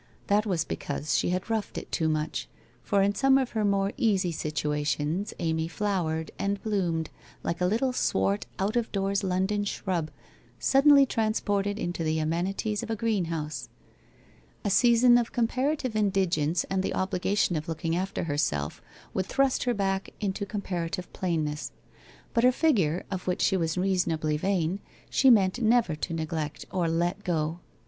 That was because she had roughed it too much; for in some of her more easy sit uations Amy flowered, and bloomed, like a little swart out of doors London shrub, suddenly transported into the amenities of a greenhouse. A season of comparative in digence and the obligation of looking after herself would thrust her back into comparative plainness. But her figure, of which she was reasonably vain, she meant never to neglect or ' let go.'